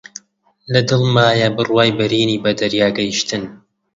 لە دڵمایە بڕوای بەرینی بە دەریا گەیشتن